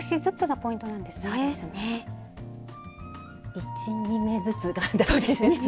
１２目ずつが大事ですね。